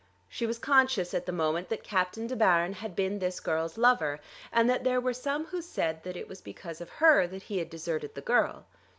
She was conscious at the moment that Captain De Baron had been this girl's lover, and that there were some who said that it was because of her that he had deserted the girl.